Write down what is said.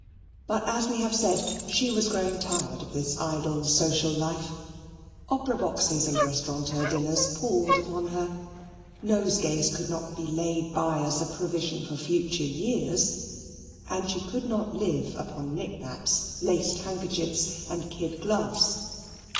But, as we have said, she was growing tired of this idle social life: opera boxes and restaurateur dinners palled upon her: nosegays could not be laid by as a provision for future years: and she could not live upon knick knacks, laced handkerchiefs, and kid gloves.